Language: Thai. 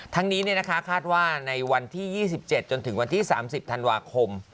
ทั้งนี้คาดว่าในวันที่๒๗จน๓๐ธันวาคม